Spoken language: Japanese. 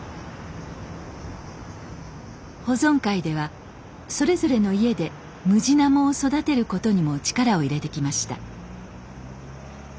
保存会ではそれぞれの家でムジナモを育てることにも力を入れてきました。